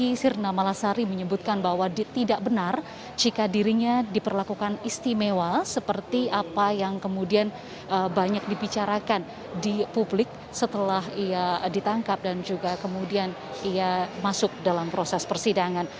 ini sirna malasari menyebutkan bahwa tidak benar jika dirinya diperlakukan istimewa seperti apa yang kemudian banyak dibicarakan di publik setelah ia ditangkap dan juga kemudian ia masuk dalam proses persidangan